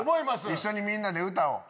一緒にみんなで歌を。